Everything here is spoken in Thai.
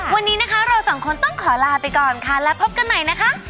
วันนี้นะคะเราสองคนต้องขอลาไปก่อนค่ะและพบกันใหม่นะคะ